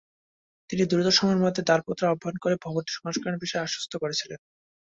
তিনি দ্রুত সময়ের মধ্যে দরপত্র আহ্বান করে ভবনটি সংস্কারের বিষয়ে আশ্বস্ত করেছিলেন।